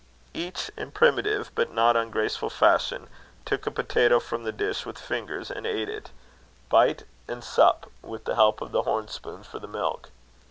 Each, in primitive but not ungraceful fashion, took a potatoe from the dish with the fingers, and ate it, "bite and sup," with the help of the horn spoon for the milk.